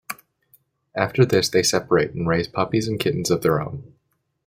After this, they separate and raise puppies and kittens of their own.